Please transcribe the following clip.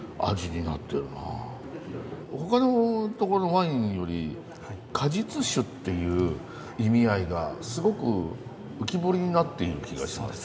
他のとこのワインより果実酒っていう意味合いがすごく浮き彫りになっている気がします。